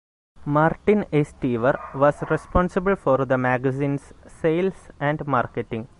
Martin A. Stever was responsible for the magazine's sales and marketing.